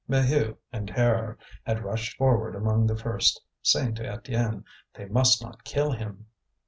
Maheu, in terror, had rushed forward among the first, saying to Étienne: "They must not kill him!"